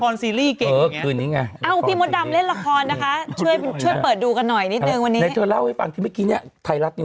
เรื่องนี้คือเรื่องที่พี่เล่นหรือเปล่า